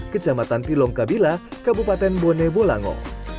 kecamatan tilongkabila kabupaten bone bolango